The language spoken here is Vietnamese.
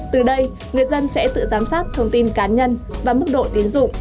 từ đây người dân sẽ tự giám sát thông tin cá nhân và mức độ tiến dụng